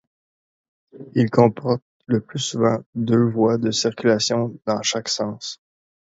Il comporte le plus souvent deux voies de circulation dans chaque sens.